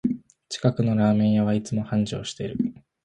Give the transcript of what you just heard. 近くのラーメン屋はいつも繁盛してる